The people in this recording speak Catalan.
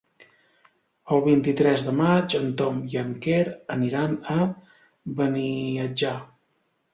El vint-i-tres de maig en Tom i en Quer aniran a Beniatjar.